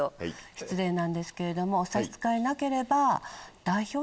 失礼なんですけれどもお差し支えなければ。